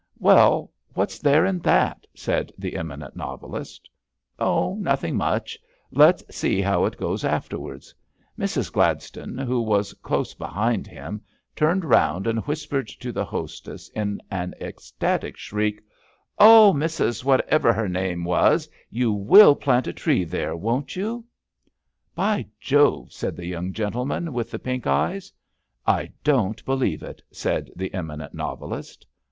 Well, what's there in that? " said the eminent novelist. Oh, nothing much. Let's see how it goes afterwards. Mrs. Gladstone, who was close be hind him, turned round and whispered to the hostess in an ecstatic shriek :* Oh, Mrs. Whatever hemamewas, you will plant a tree there, won't you? ''^ THE ADOEATION OF THE MAGE 231 By Jove! " said the young gentleman with the pink eyes. ^^ I don't believe it,'' said the eminent novelist.